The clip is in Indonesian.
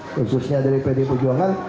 khususnya dari pd pejuangan